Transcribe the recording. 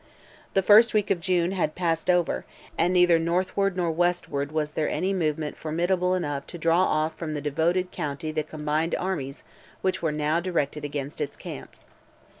The first week of June had passed over, and neither northward nor westward was there any movement formidable enough to draw off from the devoted county the combined armies which were now directed against its camps.